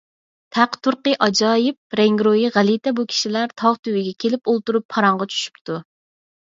تەق - تۇرقى ئاجايىپ، رەڭگىرويى غەلىتە بۇ كىشىلەر تاغ تۈۋىگە كېلىپ ئولتۇرۇپ پاراڭغا چۈشۈپتۇ.